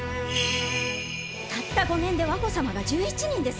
たった５年で和子様が１１人ですぞ！